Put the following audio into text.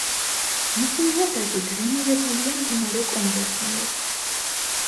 მისი ნიადაგი დრენირებულია მდინარე კონგოს მიერ.